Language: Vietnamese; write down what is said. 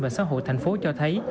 và xã hội thành phố cho thấy